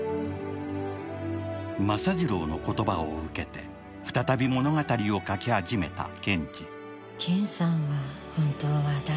政次郎の言葉を受けて再び物語を書き始めた賢治。